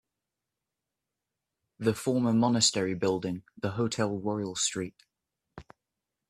The former Monastery Building, the Hotel Royal-St.